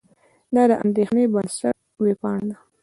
دا د اندېښې بنسټ وېبپاڼه ده.